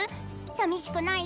さみしくない？